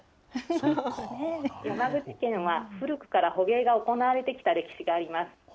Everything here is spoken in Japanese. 山口県は、古くから捕鯨が行われてきた歴史があります。